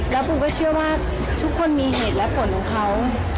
แล้วปูก็เชื่อว่าทุกคนมีเหตุและผลของเขา